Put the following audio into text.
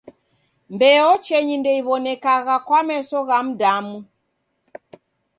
Mbeo cheni ndeiw'onekagha kwa meso gha mdamu.